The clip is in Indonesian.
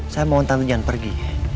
saya mohon tapi jangan pergi